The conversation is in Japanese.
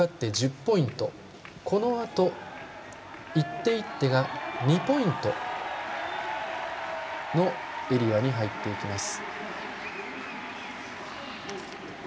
このあと、一手一手が２ポイントのエリアに入っていきます。